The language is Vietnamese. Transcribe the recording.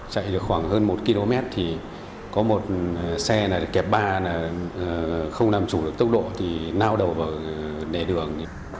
chạy được khoảng hơn một km thì có một xe kẹp ba là không làm chủ được tốc độ thì nao đầu vào đẻ đường